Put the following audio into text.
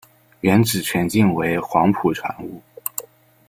原址全境为黄埔船坞。